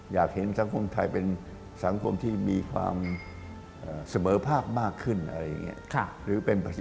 อยากเห็นสังคมไทยเป็นสังคมที่มีความเสมอภาพมากขึ้น